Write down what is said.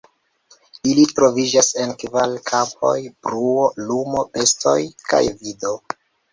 Ili troviĝas en kvar kampoj: bruo, lumo, bestoj kaj vido.